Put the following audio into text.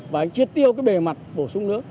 và anh triệt tiêu cái bề mặt bổ sung nước